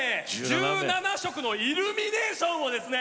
１７色のイルミネーションをですね！